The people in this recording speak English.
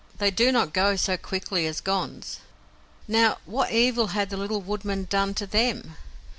They do not go so quickly as Gonds. Now, what evil had the little woodman done to them?